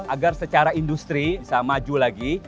agar secara industri bisa maju lagi